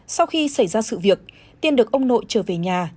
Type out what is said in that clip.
sau khi xảy ra sự việc tiên được ông nội trở về nhà